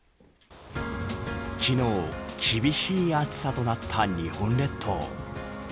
昨日厳しい暑さとなった日本列島。